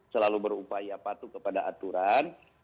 selalu berupaya patuh kepada aturan